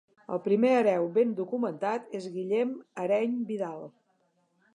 El primer hereu ben documentat és Guillem Areny Vidal.